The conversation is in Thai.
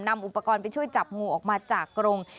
อุปกรณ์ไปช่วยจับงูออกมาจากกรง